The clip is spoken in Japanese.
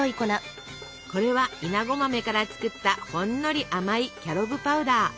これはイナゴ豆から作ったほんのり甘いキャロブパウダー。